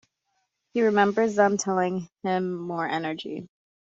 He remembers them telling him, More energy!